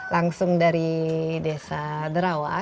langsung dari desa darawah